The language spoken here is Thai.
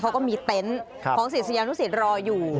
เขาก็มีเต็นต์ของศิษยานุสิตรออยู่